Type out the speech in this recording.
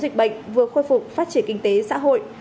dịch bệnh vừa khôi phục phát triển kinh tế xã hội